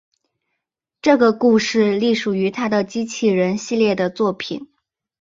这个故事隶属于他的机器人系列的作品。